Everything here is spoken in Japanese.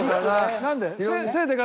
何で？